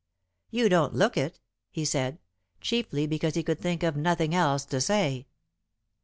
"You don't look it," he said, chiefly because he could think of nothing else to say.